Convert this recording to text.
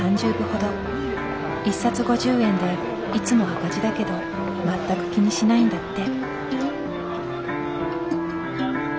一冊５０円でいつも赤字だけど全く気にしないんだって。